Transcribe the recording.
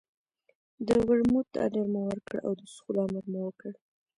د ورموت اډر مو ورکړ او د څښلو امر مو وکړ.